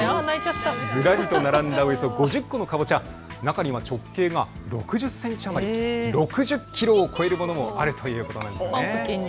ずらりと並んだおよそ５０個のかぼちゃ、中には直径が６０センチ余り、６０キロを超えるものもあるということなんです。